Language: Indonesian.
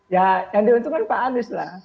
ya yang diuntungkan pak anies lah